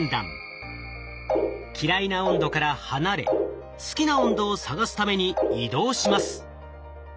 嫌いな温度から離れ好きな温度を探すために移動します。